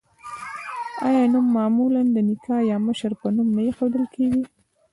آیا نوم معمولا د نیکه یا مشر په نوم نه ایښودل کیږي؟